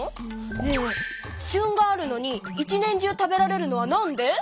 ねえしゅんがあるのに一年中食べられるのはなんで？